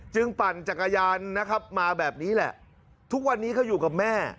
ปั่นจักรยานนะครับมาแบบนี้แหละทุกวันนี้เขาอยู่กับแม่